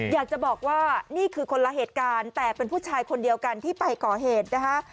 อยากจะบอกว่านี่คือคนละเหตุการณ์แต่เป็นผู้ชายคนเดียวกันที่ไปก่อเหตุนะคะ